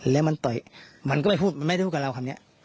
แล้วมันต่อยมันก็ไม่พูดมันไม่ได้พูดกับเราคำนี้